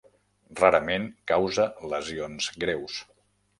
Rarament causa lesions greus.